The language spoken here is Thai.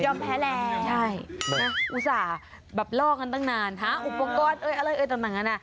ยอมแพ้แลใช่อุตส่าห์แบบล่อกันตั้งนานหาอุปกรณ์อะไรตั้งนั้นน่ะ